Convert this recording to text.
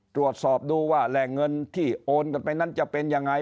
ตรวจสอบดูว่าแหล่งเงินที่โอนกันไปนั้นจะเป็นยังไง